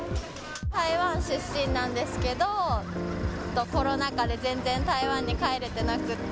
台湾出身なんですけど、コロナ禍で全然台湾に帰れてなくって。